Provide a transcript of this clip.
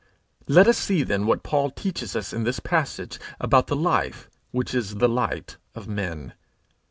Let us see then what Paul teaches us in this passage about the life which is the light of men.